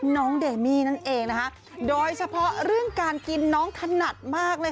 น้องเดมี่นั่นเองนะคะโดยเฉพาะเรื่องการกินน้องถนัดมากเลย